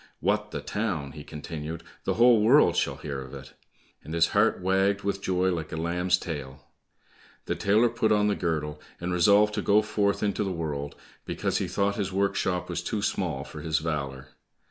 "What, the town!" he continued, "The whole world shall hear of it!" and his heart wagged with joy like a lamb's tail. The tailor put on the girdle, and resolved to go forth into the world, because he thought his workshop was too small for his valour.